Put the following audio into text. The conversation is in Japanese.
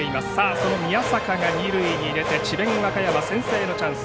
その宮坂が二塁にいて智弁和歌山先制のチャンス